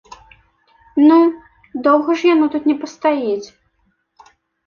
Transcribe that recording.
Ну, доўга ж яно тут не пастаіць.